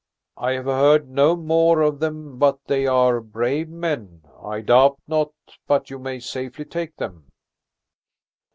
"I have heard no more of them but that they are brave men. I doubt not but you may safely take them."